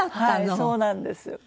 はいそうなんです。